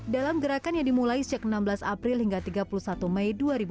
dalam gerakan yang dimulai sejak enam belas april hingga tiga puluh satu mei